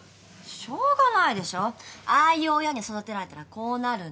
しょうがないでしょああいう親に育てられたらこうなるの。